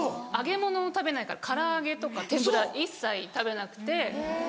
揚げ物を食べないから唐揚げとか天ぷら一切食べなくて。